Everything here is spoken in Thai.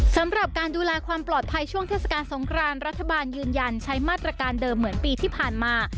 สำหรับการดูแลความปลอดภัยช่วงเทศกาลสงครานรัฐบาลยืนยันใช้มาตรการเดิมเหมือนปีที่ผ่านมา